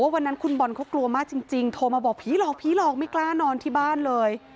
วันนั้นคุณบอลเขากลัวมากจริงโทรมาบอกผีหลอกผีหลอกไม่กล้านอนที่บ้านเลย